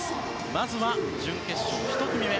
まずは準決勝１組目。